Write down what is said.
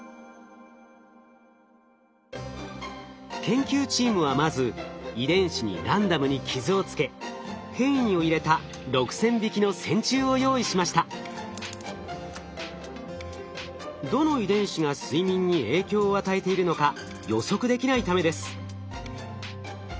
研究チームはまず遺伝子にランダムに傷を付け変異を入れたどの遺伝子が睡眠に影響を与えているのか予測できないためです。